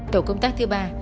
tổ công tác thứ ba